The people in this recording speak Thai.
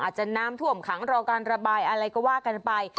อาจจะน้ำท่วมขังรอการระบายอะไรก็ว่ากันไป